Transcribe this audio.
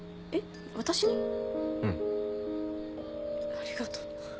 ありがとう。